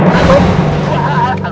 weh kamu orang samaulia tau